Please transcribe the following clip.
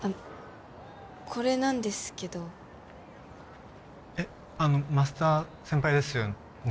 これなんですけどあのマスダ先輩ですよね？